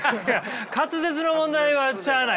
滑舌の問題はしゃあないよ。